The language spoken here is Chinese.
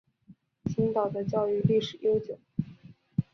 青岛的教育历史悠久。